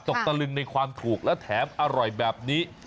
ตะลึงในความถูกและแถมอร่อยแบบนี้